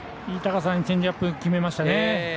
いい高さにチェンジアップ決めましたね。